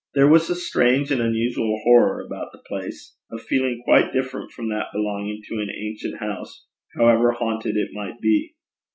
There was a strange and unusual horror about the place a feeling quite different from that belonging to an ancient house, however haunted it might be.